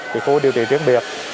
từ khu điều trị riêng biệt